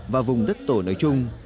và vùng đất tổ nơi chung